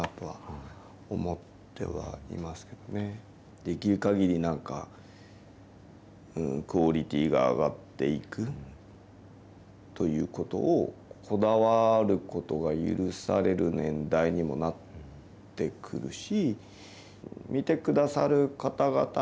できるかぎりクオリティーが上がっていくということを、こだわることが許される年代にもなってくるし。